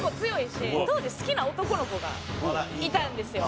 当時好きな男の子がいたんですよ。